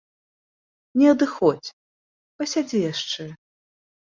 Не адыходзь, пасядзі яшчэ.